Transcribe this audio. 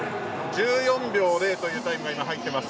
１４秒０というタイムが入っています。